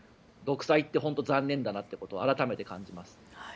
独裁って本当に残念だなってことを改めて感じます。